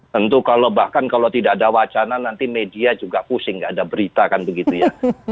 tentu kalau bahkan kalau tidak ada wacana nanti media juga pusing nggak ada berita kan begitu ya